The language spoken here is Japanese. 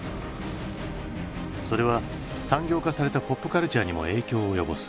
それは産業化されたポップカルチャーにも影響を及ぼす。